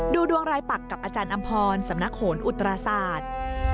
ดวงรายปักกับอาจารย์อำพรสำนักโหนอุตราศาสตร์